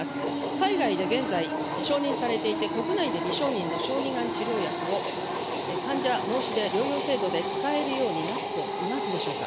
海外で現在承認されていて、国内で未承認の小児がん治療薬を、患者申出療養制度で使えるようになっていますでしょうか。